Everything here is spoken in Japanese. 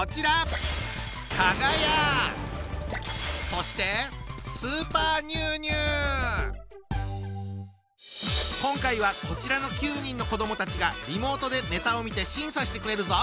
そして今回はこちらの９人の子どもたちがリモートでネタを見て審査してくれるぞ！